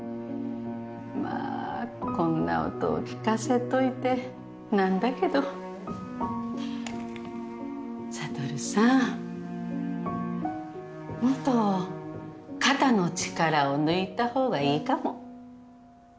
まあこんな音を聞かせといてなんだけど悟さんもっと肩の力を抜いた方がいいかも。